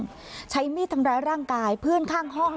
พูดถึงว่าใช้มีดทางร้ายร่างกายเพื่อนค่างห้อง